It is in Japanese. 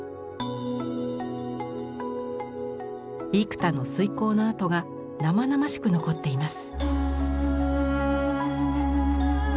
幾多の推こうのあとが生々しく残っています。